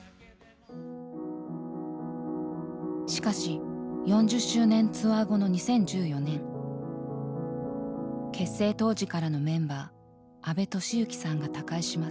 しかし４０周年ツアー後の２０１４年結成当時からのメンバー安部俊幸さんが他界します。